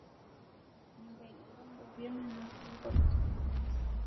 Nyumba ilipangwa vyema na kuwekwa vitu vya thamani sana